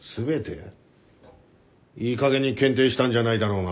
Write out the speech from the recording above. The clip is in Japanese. いいかげんに検定したんじゃないだろうな？